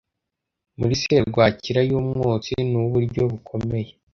Muri serwakira yumwotsi Nuburyo bukomeye